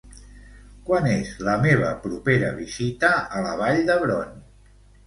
Quan és la meva propera visita a la Vall d'Hebron?